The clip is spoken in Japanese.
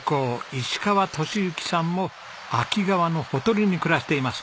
石川敏之さんも秋川のほとりに暮らしています。